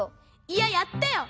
いややったよ！